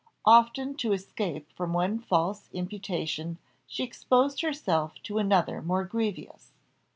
Often to escape from one false imputation she exposed herself to another more grievous.